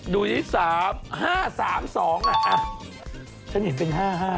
ดูสิ๓๕๓๒ฉันเห็นเป็น๕๕